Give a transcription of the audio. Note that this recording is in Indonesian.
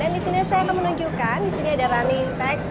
dan disini saya akan menunjukkan disini ada running text